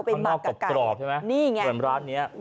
ไปบัดกับไก่นี่ไง